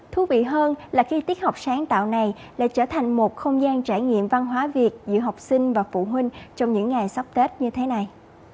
thú vị hơn là khi tiết học sáng tạo này lại trở thành một không gian trải nghiệm văn hóa việt giữa học sinh và phụ huynh trong những ngày sắp tết như thế này